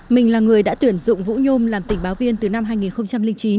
mình là người đã tuyển dụng vũ nhôm làm tình báo viên từ năm hai nghìn chín